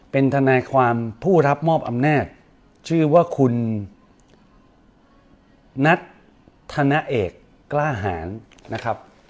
เป็นทนายความผู้รับมอบอำนาจชื่อว่าคุณนัทธนเอกกล้าหารนะครับ